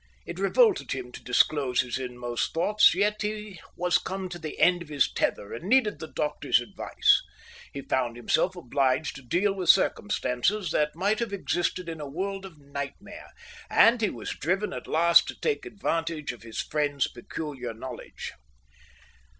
It revolted him to disclose his inmost thoughts, yet he was come to the end of his tether and needed the doctor's advice. He found himself obliged to deal with circumstances that might have existed in a world of nightmare, and he was driven at last to take advantage of his friend's peculiar knowledge.